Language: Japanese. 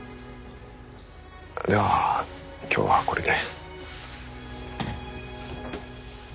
では今日はこれで。